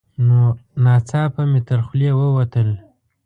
نو ناڅاپه مې تر خولې ووتل: